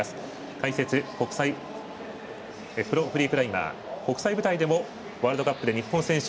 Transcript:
解説、プロフリークライマー国際舞台でもワールドカップで日本選手